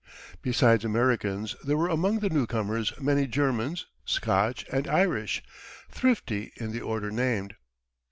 Besides Americans, there were among the newcomers many Germans, Scotch, and Irish, thrifty in the order named.